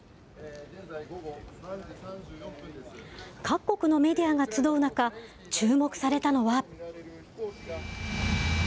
各国のメディアが集う中、注目されたのは。